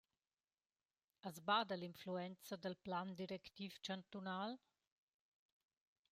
As bada l’influenza dal plan directiv chantunal?